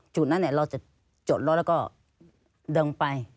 จุดนั้นเราจะจดรถแล้วก็ดึงไป